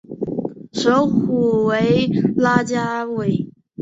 首府为拉加韦。